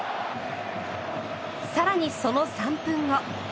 さらにその３分後。